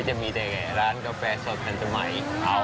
ก็จะมีแต่ร้านกาแฟสดกันใหม่